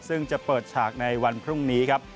ซึ่งจะเปิดฉากในวันพรุ่งนี้ครับ